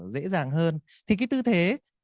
dễ dàng hơn thì cái tư thế